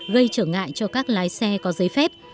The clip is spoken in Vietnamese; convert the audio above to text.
gây trở ngại cho các lái xe có giấy phép